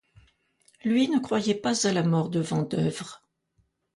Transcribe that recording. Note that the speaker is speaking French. Lui, ne croyait pas à la mort de Vandeuvres.